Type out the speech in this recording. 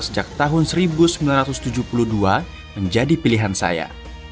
sejak tahun seribu sembilan ratus tujuh puluh dua menjadi pilihan saya